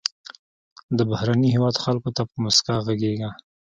د بهرني هېواد خلکو ته په موسکا غږیږه.